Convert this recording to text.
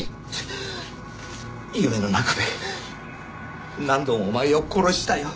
夢の中で何度もお前を殺したよ。